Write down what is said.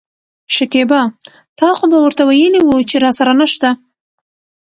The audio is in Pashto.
شکيبا : تا خو به ورته وويلي وو چې راسره نشته.